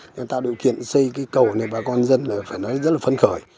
người ta điều kiện xây cái cầu này bà con dân phải nói rất là phấn khởi